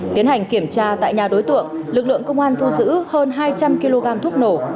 tiến hành kiểm tra tại nhà đối tượng lực lượng công an thu giữ hơn hai trăm linh kg thuốc nổ